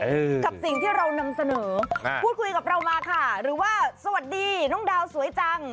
กับสิ่งที่เรานำเสนออ่าพูดคุยกับเรามาค่ะหรือว่าสวัสดีน้องดาวสวยจัง